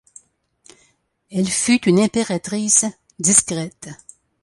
Elle fut une impératrice discrète.